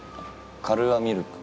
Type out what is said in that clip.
カルーア・ミルク。